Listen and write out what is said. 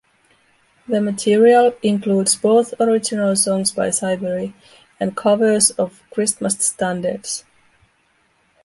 The material includes both original songs by Siberry and covers of Christmas standards.